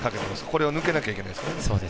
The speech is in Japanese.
これは抜けなきゃいけないですね。